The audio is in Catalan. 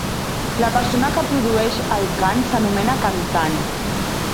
La persona que produeix el cant s'anomena cantant.